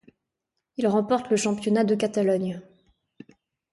Il remporte le championnat de Catalogne.